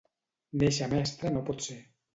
Néixer mestre no pot ser.